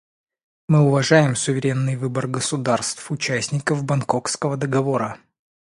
Мы уважаем суверенный выбор государств — участников Бангкокского договора.